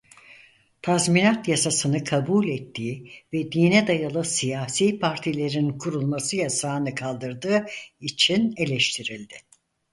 Tazminat Yasasını kabul ettiği ve dine dayalı siyasi partilerin kurulması yasağını kaldırdığı için eleştirildi.